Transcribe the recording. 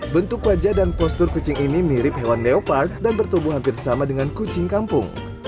bentuk wajah dan postur kucing ini mirip hewan leopark dan bertubuh hampir sama dengan kucing kampung